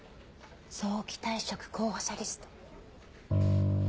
早期退職候補者リスト。